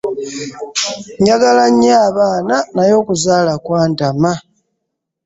njagala nnyo abaana naye okuzaala kwantama.